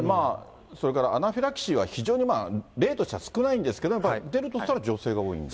それからアナフィラキシーは、非常に例としては少ないんですけど、出るとしたら女性が多いんだ。